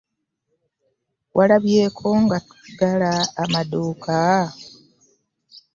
Walabyeko nga tuggala amaduuka?